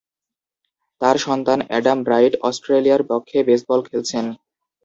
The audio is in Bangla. তার সন্তান অ্যাডাম ব্রাইট অস্ট্রেলিয়ার পক্ষে বেসবল খেলছেন।